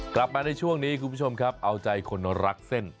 กลับมาในช่วงนี้คุณผู้ชมครับเอาใจคนรักเส้น